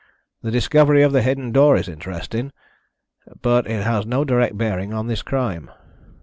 The discovery of the hidden door is interesting, but has no direct bearing on the crime.